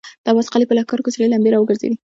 د عباس قلي په لښکر کې سرې لمبې را وګرځېدې.